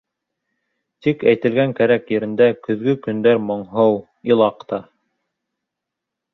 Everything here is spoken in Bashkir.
Тик әйтелгән кәрәк ерендә, Көҙгө көндәр моңһоу, илаҡ та...